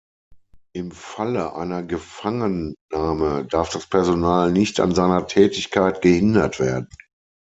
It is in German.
Im Falle einer Gefangennahme darf das Personal nicht an seiner Tätigkeit gehindert werden.